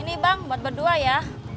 ini bang buat berdua ya